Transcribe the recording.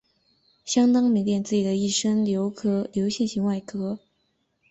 相当迷恋自己的一身的流线型的外壳。